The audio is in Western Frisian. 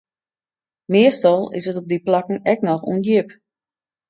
Meastal is it op dy plakken ek noch ûndjip.